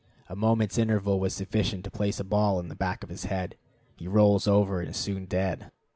A moment's interval was sufficient to place a ball in the back of his head; he rolls over, and is soon dead.